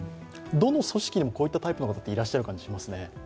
どの組織でもこういったタイプの方、いらっしゃる感じしますね。